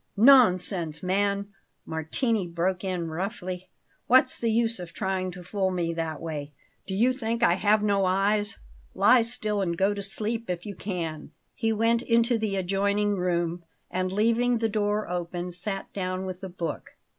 "Nonsense, man!" Martini broke in roughly. "What's the use of trying to fool me that way? Do you think I have no eyes? Lie still and go to sleep, if you can." He went into the adjoining room, and, leaving the door open, sat down with a book.